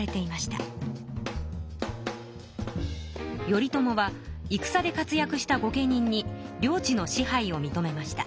頼朝はいくさで活やくした御家人に領地の支配をみとめました。